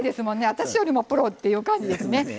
私よりもプロって感じですね。